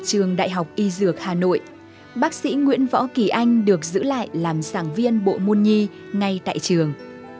trường đại học y dược hà nội bác sĩ nguyễn võ kỳ anh được giữ lại làm giảng viên bộ môn nhi ngay tại trường